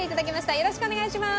よろしくお願いします！